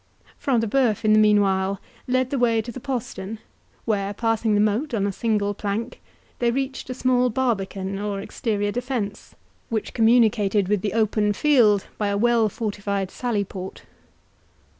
Front de Bœuf, in the meanwhile, led the way to a postern, where, passing the moat on a single plank, they reached a small barbican, or exterior defence, which communicated with the open field by a well fortified sallyport.